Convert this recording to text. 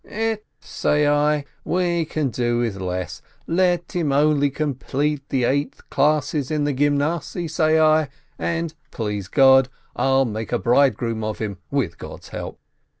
"Ett!" say I, "we can do with less. Let him only complete the eight classes at the Gymnasiye," say I, "and, please God, I'll make a bridegroom of him, with God's help."